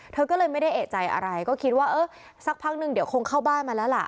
เธอก็เลยไม่ได้เอกใจอะไรก็คิดว่าเออสักพักนึงเดี๋ยวคงเข้าบ้านมาแล้วล่ะ